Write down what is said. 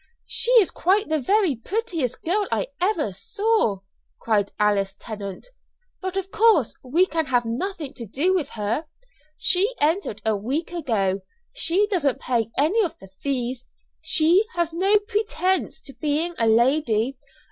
"She's quite the very prettiest girl I ever saw," cried Alice Tennant; "but of course we can have nothing to do with her. She entered a week ago. She doesn't pay any of the fees; she has no pretence to being a lady.